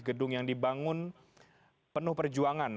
gedung yang dibangun penuh perjuangan